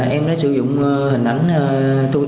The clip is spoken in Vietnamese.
em đã sử dụng hình ảnh tôi